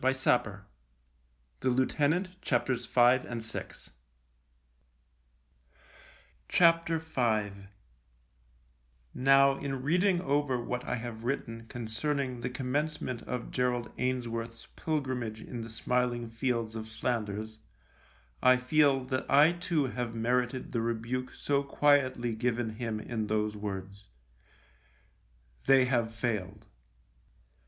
It struck him that his might have been the head. 38 THE LIEUTENANT V Now, in reading over what I have written con cerning the commencement of Gerald Ains worth's pilgrimage in the smiling fields of Flanders, I feel that I too have merited the rebuke so quietly given him in those words, " They have failed."